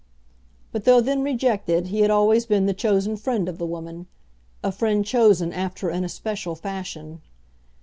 But though then rejected he had always been the chosen friend of the woman, a friend chosen after an especial fashion.